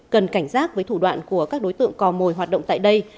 cần cảnh giác với thủ đoạn của các đối tượng cò mồi hoạt động tại đây